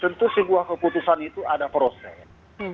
tentu sebuah keputusan itu ada proses